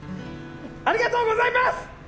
ありがとうございます！